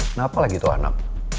kenapa lagi tuh anak